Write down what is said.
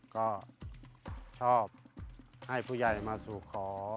ก็ชอบให้ผู้ใหญ่มาสู่ขอ